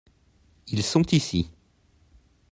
ils sont ici.